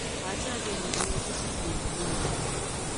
A,ache angerin eng ofisit nyun nguno